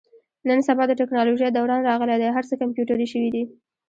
نن سبا د تکنالوژۍ دوران راغلی دی. هر څه کمپیوټري شوي دي.